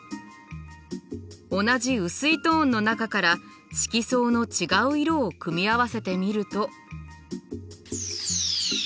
同じうすいトーンの中から色相の違う色を組み合わせてみると。